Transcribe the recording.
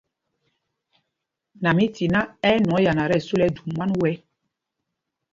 Namítiná ɛ́ ɛ́ nwɔŋ yana tí ɛsu lɛ ɛjwôm mwân wɛ́.